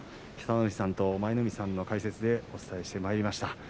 北の富士さんと舞の海さんの解説でお伝えしてまいりました。